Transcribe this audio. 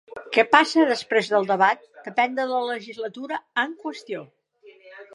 Què passa després del debat depèn de la legislatura en qüestió.